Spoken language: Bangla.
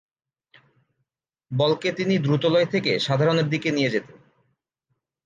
বলকে তিনি দ্রুতলয় থেকে সাধারণের দিকে নিয়ে যেতেন।